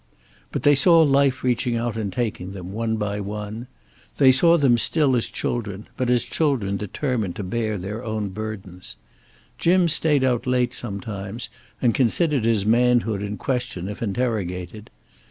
But they saw life reaching out and taking them, one by one. They saw them still as children, but as children determined to bear their own burdens. Jim stayed out late sometimes, and considered his manhood in question if interrogated.